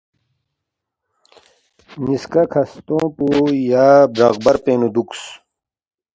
نِ٘یسکا کھہ ستونگ پو یا برق بر پِنگ نُو دُوکس